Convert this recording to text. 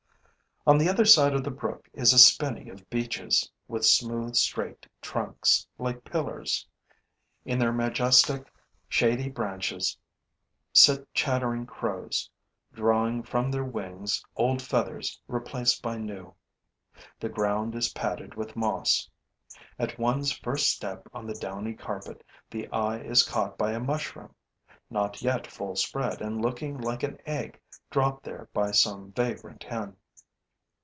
On the other side of the brook is a spinney of beeches, with smooth, straight trunks, like pillars. In their majestic, shady branches sit chattering crows, drawing from their wings old feathers replaced by new. The ground is padded with moss. At one's first step on the downy carpet, the eye is caught by a mushroom, not yet full spread and looking like an egg dropped there by some vagrant hen.